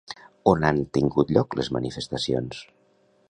On han tingut lloc les manifestacions?